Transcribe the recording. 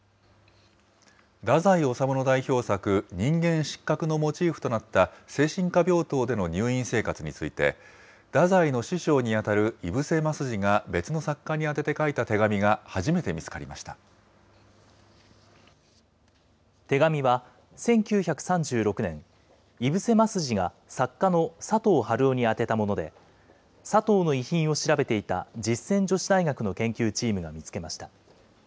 太宰治の代表作、人間失格のモチーフとなった精神科病棟での入院生活について、太宰の師匠に当たる井伏鱒二が別の作家に宛てて書いた手紙が初め手紙は１９３６年、井伏鱒二が作家の佐藤春夫に宛てたもので、佐藤の遺品を調べていた実践女子大学の研究チームが見つけました。